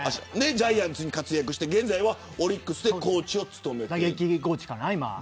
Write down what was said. ジャイアンツで活躍して現在はオリックスでコーチを務めている。